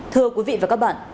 thưa quý vị và các bạn